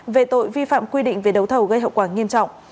về tội vi phạm quy định về đấu thầu gây hậu quả nghiêm trọng